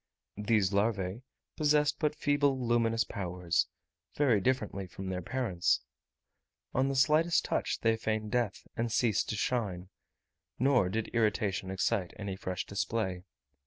These larvae possessed but feeble luminous powers; very differently from their parents, on the slightest touch they feigned death and ceased to shine; nor did irritation excite any fresh display.